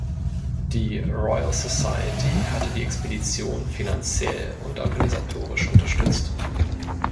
Die Royal Society hatte die Expedition finanziell und organisatorisch unterstützt.